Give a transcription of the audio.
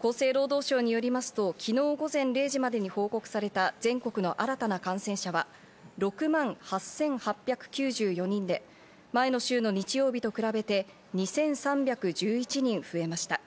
厚生労働省によりますと、昨日午前０時までに報告された全国の新たな感染者は、６万８８９４人で、前の週の日曜日と比べて２３１１人増えました。